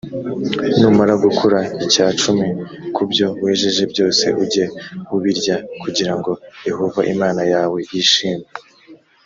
numara gukura icya cumi ku byo wejeje byose ujye ubirya kugira ngo yehova imana yawe yishime